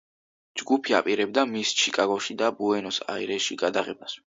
ჯგუფი აპირებდა მის ჩიკაგოში და ბუენოს-აირესში გადაღებას.